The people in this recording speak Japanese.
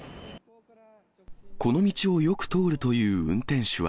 この道をよく通るという運転手は。